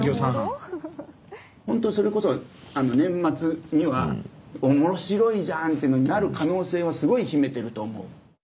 ほんとそれこそ年末には面白いじゃんってのになる可能性はすごい秘めてると思う。